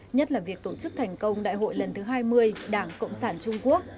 nhất là việc tổ chức thành công đại hội lần thứ hai mươi đảng cộng sản trung quốc